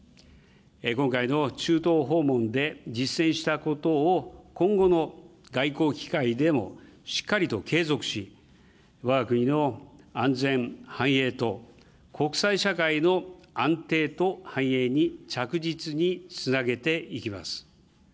今回の中東訪問で実践したことを、今後の外交機会でもしっかりと継続し、わが国の安全・繁栄と、国際社会の安定と繁栄に着実につなげていきます。